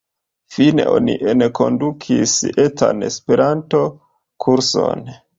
Fine oni enkondukis etan Esperanto kurson.